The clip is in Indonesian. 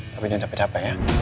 tapi ini capek capek ya